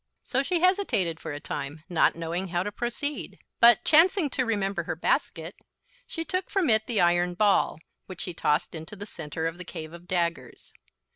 So she hesitated for a time, not knowing how to proceed; but, chancing to remember her basket, she took from it the iron ball, which she tossed into the center of the Cave of Daggers.